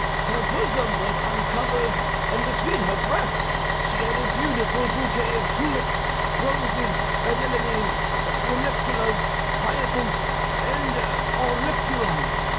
Her bosom was uncovered, and between her breasts she had a beautiful bouquet of tulips, roses, anemones, ranunculus, hyacinths, and auriculas.